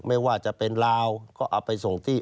ไม่ว่าจะเป็นลาวก็เอาไปส่งที่